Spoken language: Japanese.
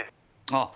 ああ